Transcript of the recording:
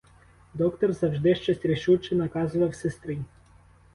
Доктор завжди щось рішуче наказував сестрі.